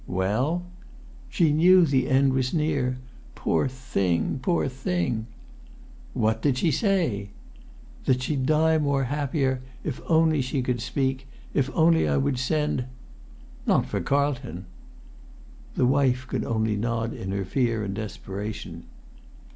"Well?" "She knew the end was near. Poor thing! Poor thing!" "What did she say?" "That she'd die more happier if only she could speak—if only I would send——" "Not for Carlton?" The wife could only nod in her fear and desperation.